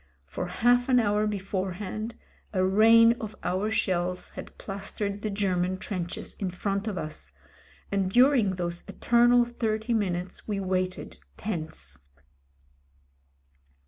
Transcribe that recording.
For half an hour beforehand a rain of our shells had plastered the Ger man trenches in front of us, and during those eternal thirty minutes we waited tense.